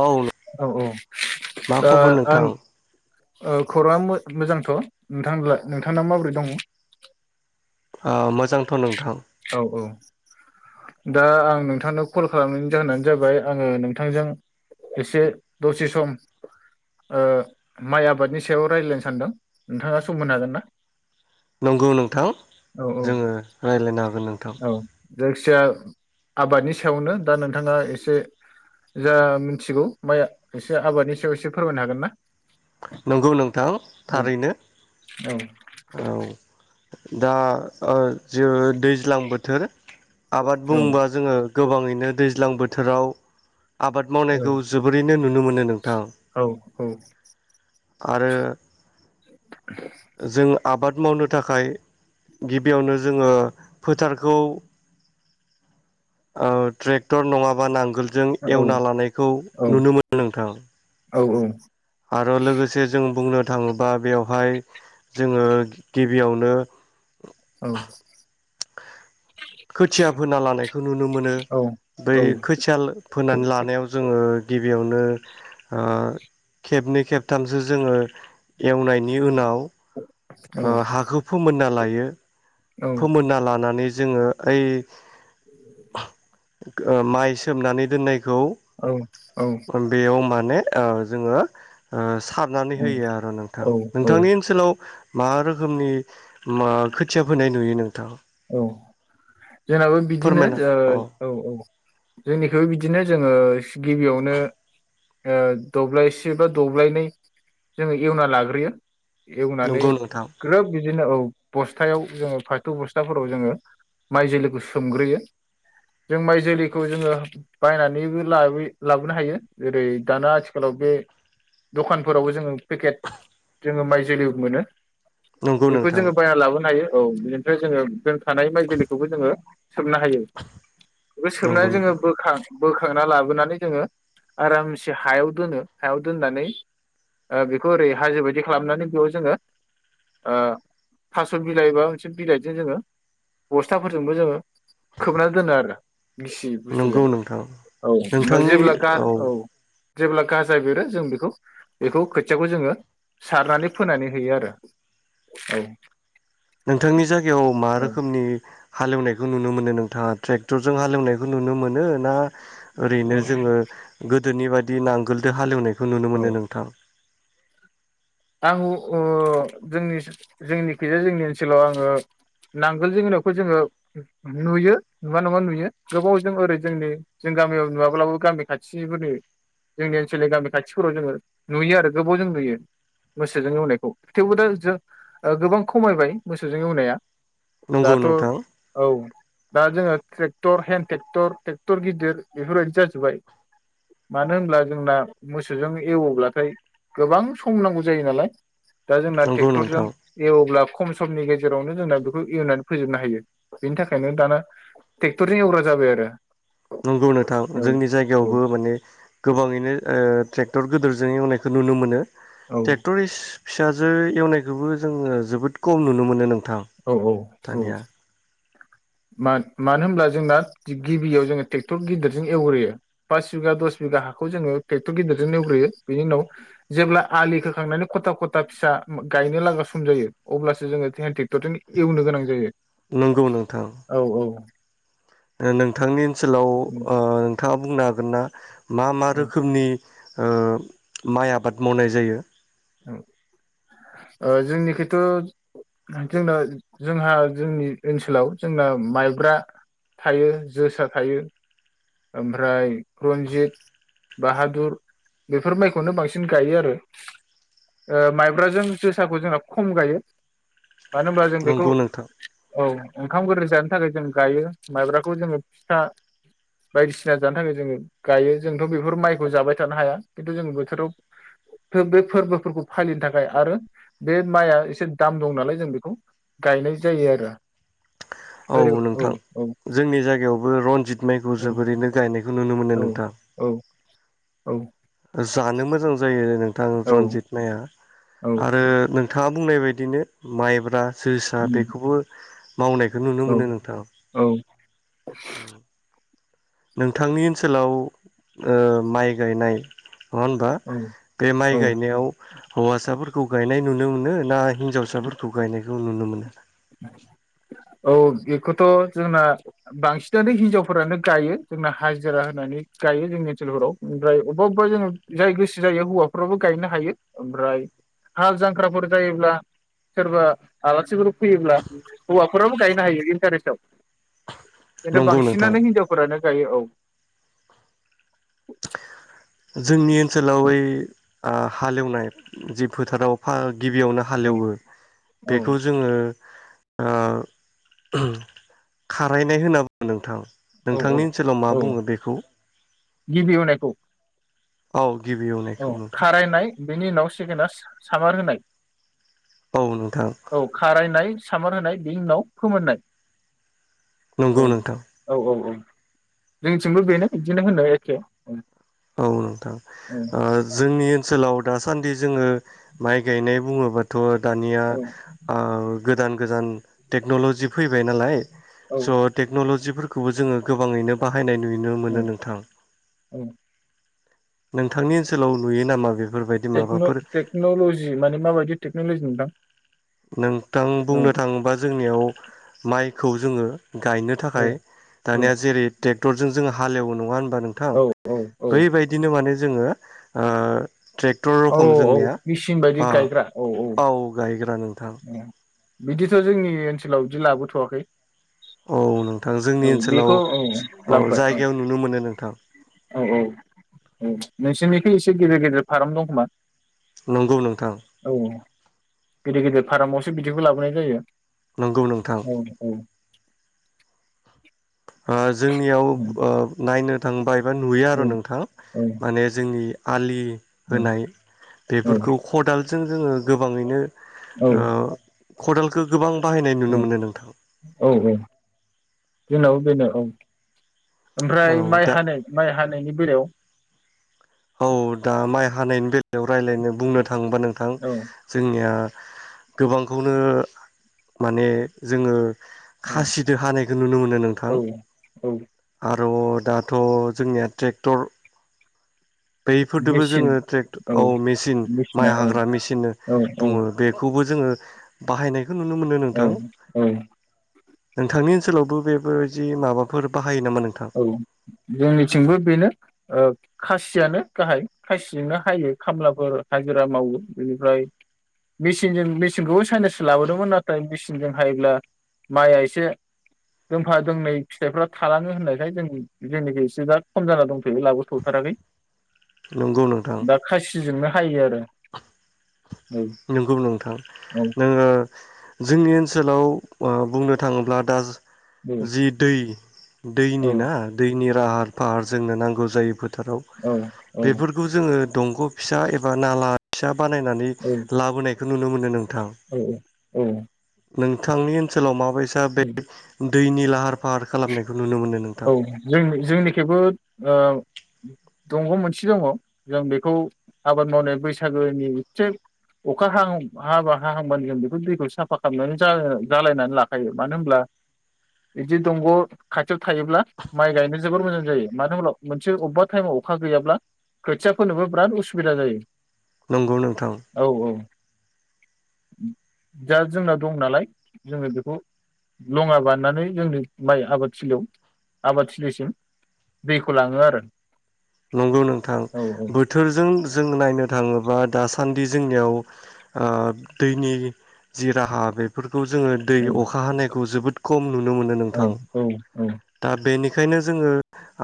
औ औ औ मा दा खबर नोंथां खौरां मोजांथ' नोंथां नोंथांलाय माबोरै दङ? मोजांथ' नोंथां। औ औ दा आं नोंथांनो कल खालामनायनि जाहोनानो जाबाय आङो नोंथांजों एसे दसे सम माइ आबादनि सायाव रायजलायनो सानदों नोंथाङा सम होनो हागोन ना। नंगौ नोंथां औ औ जों आङो रायज्लायनो हागोन नोंथां। जाखि जाया आबादनि सायावनो दा नोंथाङा एसे जा मिथिगौ माइ एसे आबादनि सायाव एसे फोरमायनो हागोन ना। नंगौ नोंथां औ थारैनो औ औ दा जे दैज्लां बोथोर आबाद औ बुङोबा जोङो। गोबाङैनो दैज्लां बोथोराव आबाद मावनायखौ जोबोरैनो नुनो मोनो नोंथां। औ आरो जों आबाद मावनो थाखाय गिबियावनो जोङो फोथारखौ ओ ट्रेक्टर नङा बा नांगोलजों औ एवना लानायखौ औ नुनो मोनो नोंथां। औ औ आरो लोगोसे जों बुंनो थाङोबा बेवहाय जोङो गिबियावनो औ खोथिया फोना लानायखौ नुनो मोनो बै खोथिया फोनानै लानायाव जोङो गिबियाव बेयावनो खेबनै खेबथामसो जोङो एवनायनि उनाव औ हाखौ फोमोनना लायो। लायो। औ फोमोनना लानानै। जोङो ओइ। ओ-माइ सोमनानै दोननाय। औ औ खौ बेयाव। नै ओ-जोङो ओ- सारनानै औ होयो आरो नोंथां औ औ नोंथांनि ओनसोलाव मा रोखोमनि मा खोथिया फोनाय नुयो नोंथां? औ जोंनाबो बिदिनो फोरमायना अ औ औ। जोंनिखौबो बिदिनो जोङो गिबियावनो ओ-दब्लायसे बा दब्लायनै जोङो एवना लाग्रोयो। एवनानै नंगौ नोंथां ग्रोब बिदिनो औ बस्थायाव। जोंङो फाथो बस्थायाव। बस्थाफोराव जोङो माइ जोलैखौ सोमग्रोयो जों माइ जोलैखौ जोङो बायनानैबो लाबोनो हायो जेरै दाना आथिखालाव बे दखानफोरावबो जोङो पेकेट जोङो माइ जोलै मोनो। नंगौ बेखौ नोंथां जोङो बायना लाबोनो हायो। औ बिनिफ्राय। जोंङो बे। थानाय माइ जोलैखौबो जोङो। सोमनो हायो बेखौ नंगौ सोमनानै जोङो नोंथां बोखांना। बोखांना लाबोनानै जोङो आरामसे हायाव दोनो हायाव दोननानै ओ-बेखौ ओरै हाजो बायदि खालामनानै बेयाव जोङो ओ- थास' बिलाइबा माबा मोनसे। बिलाइजों जोङो बस्थाफोरजोंबो जोङो खोबनानै दोनो आरो। गिसि नंगौ बुस्थुजों नोंथां औ ओमफ्राय जेब्ला गा- औ। जेब्ला गाजा बेरो जों बेखौ बेखौ खोथियाखौ जोङो सारनानै फोनानै होयो आरो औ। नोंथांनि जायगायाव मा औ रोखोमनि? हालेवनायखौ नुनो मोनो नोंथाङा ट्रेक्टरजों हालेवनायखौ नुनो मोनो ना? औ ओरैनो जोङो। गोदोनि बायदि नांगोलजों हालेवनायखौ। बेखौ नुनो औ मोनो नोंथां? आं उ जोंनि जोंनिखैजाया जोंनि ओनसोलाव आङो नांगोल जनावखौ जोङो नुयो नुवा नङा नुयो गोबावजों ओरै जोंनि जों गामियाव नुवाब्लाबो गामि खाथिफोरनि जोंनि ओनसोलनि गामि खाथिफोराव जोङो नुयो आरो गोबाव जों नुयो। मोसौजों एवनायखौ थेवबो दा जों ओ-गोबां खमायबाय मोसौजों एवनाया। नंगौ दाथ' नोंथां औ दा जोङो। ट्रेक्टर हेन्द ट्रेक्टर ट्रेक्टर गिदिर बेफोरबायदि जाजोब्बाय मानो होनब्ला जोंना मोसौजों एवोब्लाथाय गोबां सम। सम नांगौ जायो नालाय। दा जोंना नंगौ ट्रेक्टरजों नोंथां एवब्ला। खम समनि गेजेरावनो जोंना बेखौ एवनानै फोजोबनो हायो बेनि थाखायनो दाना ट्रेक्टरजों एवग्रा जाबाय आरो। नंगौ नोंथां जोंनि औ जायगायावबो माने गोबाङैनो ओ- ट्रेक बेक्टर गिदोरजों एवनायखौ नुनो मोनो। औ ट्रेक्ट'रिस। फिसाजो एवनायखौबो जोङो जोबोद खम नुनो मोनो नों। औ -औ- औ-। मा मानो होनोब्ला जोंना गिबियाव जोङो ट्रेक्टर गिदिरजों एवग्रोयो पास बिगा दस बिगा हाखौ जोङो ट्रेक्टर गिदिरजों एवग्रोयो बेनि उनाव जेब्ला आलि खोखांनानै खथा खथा फिसा गायनो लागा सम जायो अब्लासो जोङो हेन ट्रे। क्टरजोंनो एवनो गोनां जायो। नंगौ नोंथां। औ औ ओ नोंथांनि ओनसोलाव ओ नोंथाङा बुंनो हागोन। हागोन ना। मा मा रोखोमनि। ओ माइ आबाद मावनाय जायो। ओ जोंनिखिथ' जोंना जोंहा जोंनि ओनसोलाव जोंना माइब्रा थायो जोसा थायो। ओमफ्राय रन्जित बाहादुर बेफोर माइखौनो बांसिन गायो आरो ओ माइब्राजों जोसाखौ जोंना खम गायो। मानो होनब्ला जों बेखौ नंगौ नोंथां औ। ओंखाम गोरै जानो थाखाय जों गायो माइब्राखौ जोङो फिथा। बायदिसिना जानो थाखाय जोङो गायो जोंथ' बेफोर माइखौ जाबाय थानो हाया खिन्थु जों बोथोराव बे फोरबोफोरखौ फालिनो थाखाय आरो बे माइआ एसे दाम दं नालाय जों बेखौ गायनाय जायो आरो। औ नोंथां औ जोंनि जायगायावबो रनजित माइखौ जोब। ओरैनो गायनायखौ नुनो मोनो औ नोंथां। औ औ। जानो मोजां जायो नों। थां रनजित माइआ। औ आरो नोंथाङा। बुंनाय बायदिनो माइब्रा। जोसा बेखौबो। मावनायखौ नुनो मोनो नोंथाङ। [inaudible] नोंथांनि ओनसोलाव ओ माइ गायनाय। नङा होनबा औ बे औ माइ गायनायाव हौवासाफोरखौ गायनाय नुनो मोनो ना हिन्जावसाफोरखौ गायनाय खौ नुनो मोनो। औ बेखौथ जोंना बांसिनानो हिनजावफोरानो गायो जोंना हाजिरा होनानै गायो जोंनि ओनसोलफोराव ओमफ्राय अबेबा-अबेबा जोङो जाय गोसो जायो। हौवाफोराबो गायनो हायो ओमफ्राय हाल जांख्राफोर जायोब्ला सोरबा आलासिफोरखौ फैयोब्ला हौवाफोराबो गायनो हायो इन्टारेस्टआव। खिन्थु नंगौ नोंथां बांसिनानो हिनजावफोरानो गायो औ। [inaudible] जोंनि ओनसोलाव ओइ आ हालेवनाय जि फोथाराव फा गिबियावनो औ हालेवो औ बेखौ जोङो ओ खारायनाय होनना बुंङो नोंथां। औ औ नोंथांनि ओनसोलाव मा औ बुङो बेखौ गिबि एवनायखौ औ। गिबि औ एवनायखौ नोंथां खारायनाय बिनि उनाव सेकेना सामार होनाय। औ नोंथां औ खारायनाय। सामार होनाय बेनि उनाव फोमोननाय। नंगौ औ नोंथां औ औ औ। जोंनिथिंबो बेनो बिदिनो होनो एखे। औ नोंथां। ओ जोंनि ओनसोलाव दासान्दि जोङो माइ गायनाय बुङोबाथ' दानिया औ ओ गोदान गोदान टेक्नलजि फैबाय नालाय। औ स टेक्नलजि जिफोरखौबो जोङो गोबाङैनो बा बाहायनाय नुनो औ मोनो नोंथां। औ नोंथांनि ओनसोलाव नुयो नामा बेफ? टेक्न टेक्नलजि माने माबायदि टेक्नलजिनि हेलौ नोंथां बुंनो थाङोबा जों जोंनियाव माइखौ जोङो गायनो औ थाखाय औ दानिया जेरै टेक टरजों जों हालेवो नङा होन होनबा नोंथां औ औ औ बैबायदिनो माने जोङो ओ ट्रेक्टर औ रखम औ जोंनिया मेचिन बायदि ओ गायग्रा औ गायग्रा नों [inaudible] बिदिथ' जोंनि ओनसोलाव बिदि लाबोथ'वाखै। औ नोंथां जोंनि औ ओनसोलाव बेखौ औ औ जायगायाव नुनो मोनो नोंथां। औ औ औ नोंसोरनिख एसे गेदेर गेदेर फार्म दं खोमा? नंगौ नोंथां औ गिदिर गिदिर फारामावसो बिदिखौ लाबोनाय जायो। नंगौ नोंथां औ औ ओ जोंनियाव औ ओ नायनो थांबाय एबा नुयो आरो नोंथां औ माने जोंनि आलि होनाय औ बेफोरखौ खदाल जों जोङो गोबाङैनो ओ खदालखौ गोबां बाहायनाय नुनो औ मोनो नोंथां औ औ जोंनावबो बेनो औ। औ ओमफ्राय माइ दा हानाय माइ हानायनि बेलायाव, औ दा माइ हानायनि बेलायाव रायज्लायनो बुंनो था थांबा नोंथां औ जोंनिया गोबांखौनो माने जोङो औ खासिदो हानायखौ नुनो मोनो नोंथां औ औ हा रं दाथ' जोंनिया ट्रेक्टर बैफोरदोबो मेचिन जोङो ट्रेक्टर औ मेसिन मेचिना माइ औ हाग्रा मेसिन औ औ बुङो बेखौबो जोङो बाहायनाय औ औ नोंथांनि ओनसोलावबो बेबायदि माबाफोर बा औ जोंनिथिंबो बेनो ओ खासियानो गाहाय खासिजोंनो हायो खामलाफोर हाजिरा मावो बेनिफ्राय मेसिनजों मेसिनखौबो साइनाससो लाबोदोंमोन नाथाय मेचिनजों हायोब्ला माइआ एसे दोंफा दोंनै फिथाइफ्रा थालाङो होननाय खाय जों जोंनिखि एसे दा खम जाना दंथ'यो लाबोथ'थाराखै। नंगौ नोंथां दा खासिजों नो हायो आरो। औ नंगौ नोंथां औ औ नोङो जोंनि ओनसोलाव अह बुंनो थाङोब्ला दा जि दै दैनि औ ना दैनिया राहार फाहार जोंनो नांगौ जायो फो फोथाराव औ बेफोरखौ ज दंग फिसा एबा नाला फिसा बानायनानै लाबोनायखौ नुनो मोनो नों औ औ औ। नोंथांनि ओनसोलाव माबाय सा बे दैनि लाहार फाहार खालामनायखौ नुनो मोनो नोंथां औ जोंनि-जोंनिखिबो ओ दंग‌मोनसे दंङ जों बेखौ आबाद मावनाय बैसागोनि एसे अखा हा-हाबा हाहांबानो जों बेखौ दैखौ साफा खामनानै जालाय-जालायनानै लाखायो मानो होनब्ला बिदि दंग‌ खाथियाव थायोब्ला माइ गायनो जोबोर मोजां जायो मानो होनब्ला मोनसे अबेबा टाइमाव अखा गैयाब्ला खोथिया फोनोबो बिराद उसुबिदा जायो। नंगौ नोंथां। औ औ दा जोंनाव दं नालाय जोंङो बेखौ लंङा बाननानै जोंनि माइ आबाद थिलियाव आबाद थिलिसिम दैखौ लांङो आरो। नंगौ नोंथां औ बोथोरजों जों नायनो थांङोबा दासान्दि जोंनियाव ओ दैनि जि राहा बेफोर खौ जोंङो दै अखा हानाय खौ जोबोद खम नुनो मोनो नोंथां औ दा बेनि खायनो जोंङो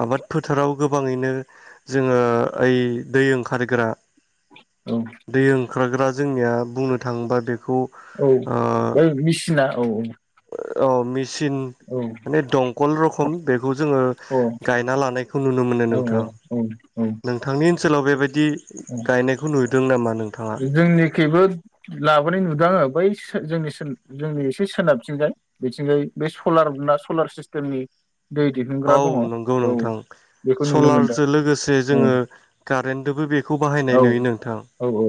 आबाद फोथाराव गोबांङैनो जोंङो ओइ दै ओंखारग्रा औ। खारग्रा जोंनिया बुंनो थांङोबा बे औ बै मेसि [unintelligible] औ औ औ मि चिन औ माने दंखल रखम बेखौ जोंङो औ गायना लानायखौ नुनो मोनो औ नोंथां औ नोंथांनि सोलाव बेबायदि बिदि गायनायखौ नुदों नामा नों? जोंनिखैबो लाबोनाय नुदों आंङो बै सो जोंनि सोन जोंनि एसे सोनाबथिंजाय बिथिंजाय बे सलारा सलार सिस्टेमनि दै दिहुनग्रा दङ औ नंगौ नोंथां बेखौ नुनो मोनदों सलारजो लोगोसे औ जोंङो कारेन्टदोबो बेखौ औ बाहायनाय नुयो नोंथां औ औ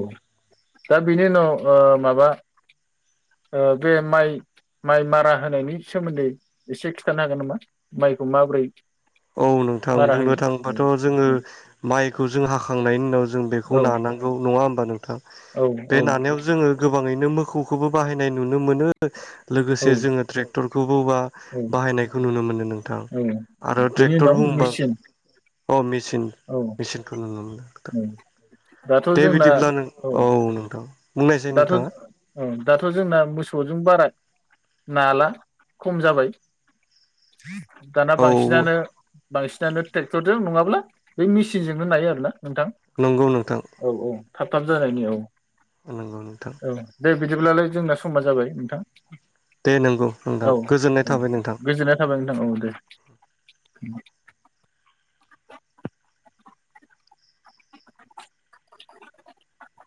दा बेनि उनाव माबा ओ बे माइ-माइ मारा होनायनि सोमोन्दै एसे खिथानो हागोन नामा माइखौ माबोरै? औ नोंथां मारा बुंनो होयो थाङोबाथ जोंङो औ माइखौ जों हाखांनायनि उनाव जों बेखौ औ औ नानांगौ नङा होमबा नों औ बे औ नानायाव जोङो गोब बाङैनो मोखौखौबो बाहायनाय नुनो नो मोनो औ लोगोसे जोङो ट्रेक टरखौ बौबा औ बाहायनायखौ नुनो मोनो नोंथां। बेनि ट्रेक्टर उनाव बुंबा मेचिन। अ मिस चिन औ मेचिनखौ नुनो मोनो औ दाथ' [unintelligible] दे जोंना बिदिब्ला नों औ नोंथां। बुंनायसाय दाथ' नोंथाङा [unintelligible] दाथ' जोंना मोसौजों बारा नाला खम जाबाय। दाना औ बांसिनानो बांसिनानो ट्रेक्टरदो नङाब्ला बे मिसिनजोंनो नायो आरो ना। नोंथां नंगौ नोंथां औ औ। थाब थाब जानायनि औ। नंगौ नोंथां। औ दे बिदिब्लालाय जोंना समा जाबाय नोंथां। दे नंगौ नोंथां औ गोजोननाय औ थाबाय नोंथां। गोजोननाय थाबाय नोंथां औ दे। [inaudible] [inaudible]